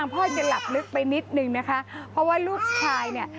เพราะว่าลูกชายเนี่ย